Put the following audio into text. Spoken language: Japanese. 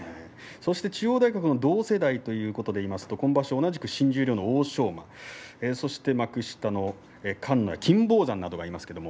そして中央大学の同世代といいますと今場所も同じく新十両の欧勝馬、幕下の菅野金峰山がいます。